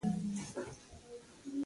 پیسې مې نغدې کړې.